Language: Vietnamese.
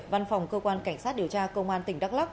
văn phòng cơ quan cảnh sát điều tra công an tỉnh đắk lắc